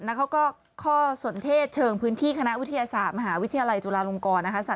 แล้วเขาก็ข้อสนเทศเชิงพื้นที่คณะวิทยาศาสตร์มหาวิทยาลัยจุฬาลงกรนะคะ